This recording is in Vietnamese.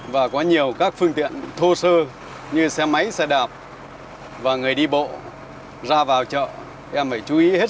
và có nhiều các phương tiện thô sơ như xe máy xe đạp và người đi bộ ra vào chợ em phải chú ý hết